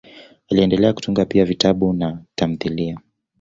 Aliendelea kutunga pia vitabu na tamthiliya.